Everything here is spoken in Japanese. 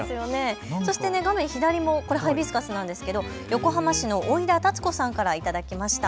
そして画面左もハイビスカスなんですけど、横浜市の老田タツ子さんから頂きました。